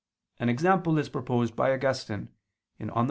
An example is proposed by Augustine (De Lib.